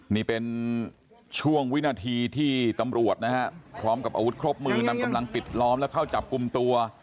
นี่เป็นช่วงวินาทีที่ตำรวจนะฮะพร้อมกับอาวุธครบมือนำกำลังปิดล้อมและเข้าจับกลุ่มตัว